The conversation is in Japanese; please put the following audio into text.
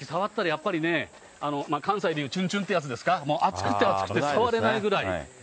やっぱり関西で言う、ちゅんちゅんっていうやつですか、もうあつくてあつくて触れないくらい、